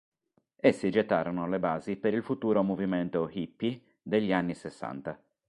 Essi gettarono le basi per il futuro movimento "hippy" degli anni sessanta.